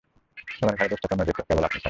সবার ঘাড়ে দোষ চাপানো যেত কেবল আপনি ছাড়া।